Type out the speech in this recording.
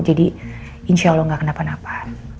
jadi insya allah gak kenapa napa